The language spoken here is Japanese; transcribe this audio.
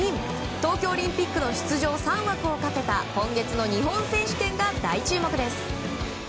東京オリンピックの出場３枠をかけた今月の日本選手権が大注目です。